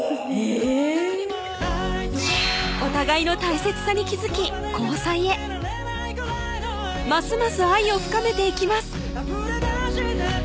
えぇお互いの大切さに気付き交際へますます愛を深めていきます